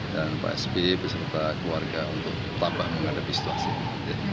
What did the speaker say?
dan pak sp beserta keluarga untuk tambah menghadapi situasi ini